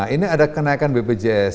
ini ada kenaikan bpjs